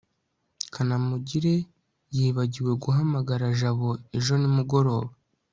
kanamugire yiba giwe guhamagara jabo ejo nimugoroba